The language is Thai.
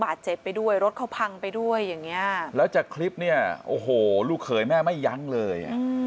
บาดเจ็บไปด้วยรถเขาพังไปด้วยอย่างเงี้ยแล้วจากคลิปเนี่ยโอ้โหลูกเขยแม่ไม่ยั้งเลย